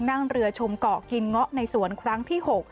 นั่งเรือชมเกาะกินเงาะในสวนครั้งที่๖